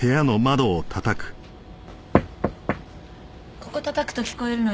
ここ叩くと聞こえるのよ。